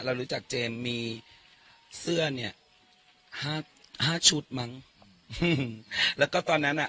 รู้จักเจมส์มีเสื้อเนี่ยห้าห้าชุดมั้งแล้วก็ตอนนั้นอ่ะ